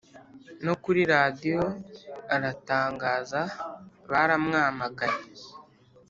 No kuri Radiyo aratangaza baramwamaganye